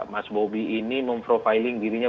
mas bobi ini memprofiling dirinya